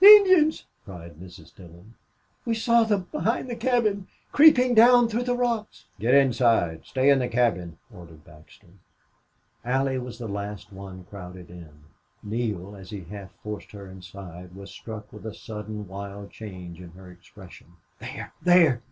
The Indians!" cried Mrs. Dillon. "We saw them behind the cabin creeping down through the rocks." "Get inside stay in the cabin!" ordered Baxter. Allie was the last one crowded in. Neale, as he half forced her inside, was struck with a sudden wild change in her expression. "There! There!"